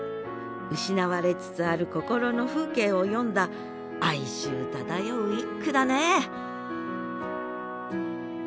失われつつある心の風景を詠んだ哀愁漂う一句だね